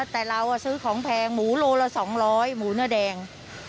แต่เราซื้อของแพงหมูโลละ๒๐๐หมูเนื้อแดง